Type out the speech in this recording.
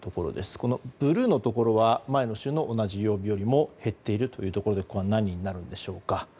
このブルーのところは前の週の同じ曜日よりも減っているということで何人になるんでしょうか。